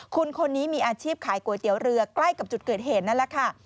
คุณคนนี้มีอาชีพขายก๋วยเตี๋ยวเรือใกล้กับจุดเกิดเหตุนั่นแหละค่ะ